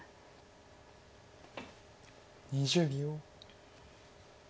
２０秒。